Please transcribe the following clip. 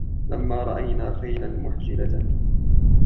لما رأينا خيلا محجلة